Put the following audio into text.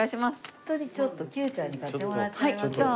ホントにちょっとＱちゃんに買ってもらっちゃいます。